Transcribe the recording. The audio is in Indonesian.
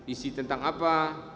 isi tentang apa